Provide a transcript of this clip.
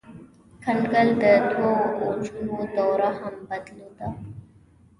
کنګل د دوه اوجونو دوره هم درلوده.